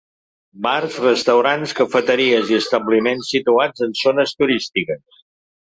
Bars, restaurants, cafeteries i establiments situats en zones turístiques.